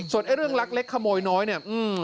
ส่วนไอ้เรื่องลักเล็กขโมยน้อยเนี่ย